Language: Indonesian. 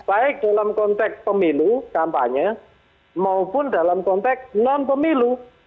baik dalam konteks pemilu kampanye maupun dalam konteks non pemilu